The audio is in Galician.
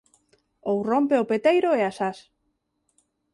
Ou rompe o peteiro e as ás.